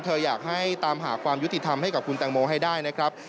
อยากให้ตามหาความยุติธรรมให้กับคุณแตงโมให้ได้นะครับ